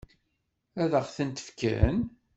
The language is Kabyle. Ad ɣ-tent-fken?